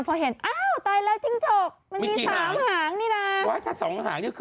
พอเห็นอ้าวตายแล้วจริงจก